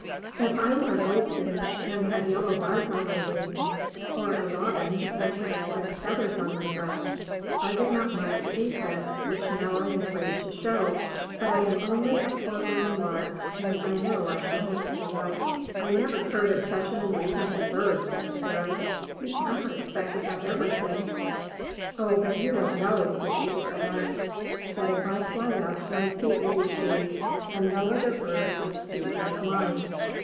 If I were a goldfinch, and had yellow bars on my wings, or a robin, and had red feathers on my breast, I should not mind the defect which now I am afraid to show. But I am only a poor brown Lark, and I know I shall never get a wife.'* "I never heard of such an unreasonable bird, said the Fairy. "You cannot expect to have everything. "Oh, but you don*t know, proceeded the Lark, "that if I fly up my feet will be seen; and no other bird has feet like mine.